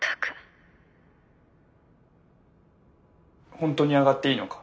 ほんとに上がっていいのか？